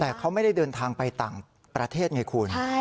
แต่เขาไม่ได้เดินทางไปต่างประเทศไงคุณ